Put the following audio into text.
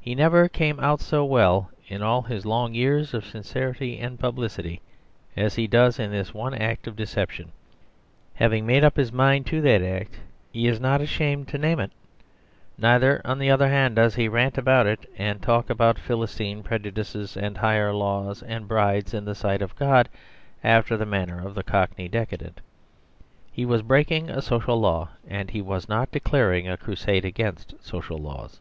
He never came out so well in all his long years of sincerity and publicity as he does in this one act of deception. Having made up his mind to that act, he is not ashamed to name it; neither, on the other hand, does he rant about it, and talk about Philistine prejudices and higher laws and brides in the sight of God, after the manner of the cockney decadent. He was breaking a social law, but he was not declaring a crusade against social laws.